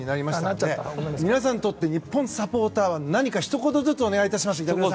皆さんにとって日本サポーターとは何かひと言ずつお願いします。